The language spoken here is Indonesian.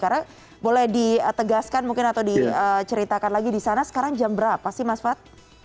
karena boleh ditegaskan mungkin atau diceritakan lagi di sana sekarang jam berapa sih mas fad